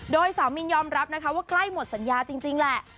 โดยสาวมินยอมรับนะคะว่าใกล้หมดสัญญาจริงแหละ